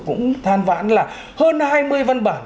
cũng than vãn là hơn hai mươi văn bản